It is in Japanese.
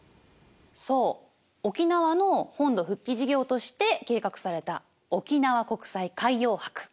そう沖縄の本土復帰事業として計画された沖縄国際海洋博。